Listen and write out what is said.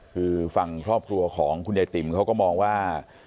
คือฝั่งครอบครัวของคุณยายติ๋มเขาก็มองว่า